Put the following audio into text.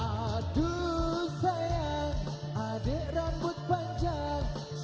aduh sayang adik rambut panjang